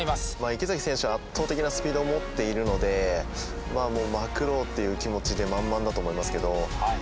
池崎選手は圧倒的なスピードを持っているのでまくろうという気持ちで満々だと思いますけど。